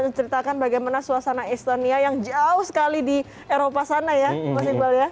dan menceritakan bagaimana suasana estonia yang jauh sekali di eropa sana ya mbak iqbal ya